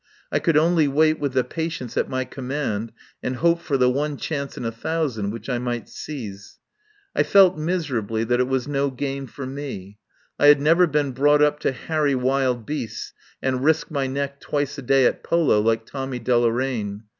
I could only wait with the patience at my command, and hope for the one chance in a thousand which I might seize. I felt miserably that it was no game for me. I had never been brought up to harry wild beasts and risk my neck twice a day at polo like Tommy Delo raine.